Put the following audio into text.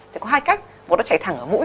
thì có hai cách một là chảy thẳng ở mũi